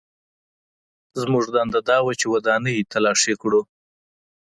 زموږ دنده دا وه چې ودانۍ تلاشي کړو